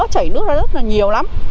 chảy nước ra rất là nhiều lắm